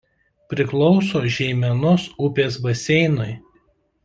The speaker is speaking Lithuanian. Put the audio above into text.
Priklauso Žeimenos upės baseinui.